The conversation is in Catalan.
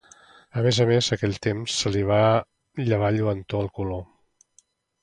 A més a més en aquell temps se li va llevar lluentor al color.